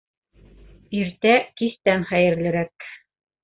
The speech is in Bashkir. Иртә кистән хәйерлерәк.